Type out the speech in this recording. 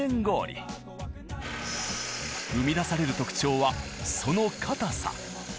生み出される特徴はその硬さ。